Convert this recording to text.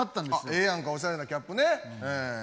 ええやんかおしゃれなキャップね。